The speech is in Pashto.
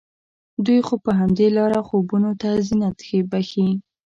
دوی خو په همدې لاره خوبونو ته زينت بښي